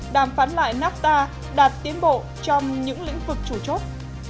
đàm phán lại nafta đạt tiến bộ trong những lĩnh vực chủ chốt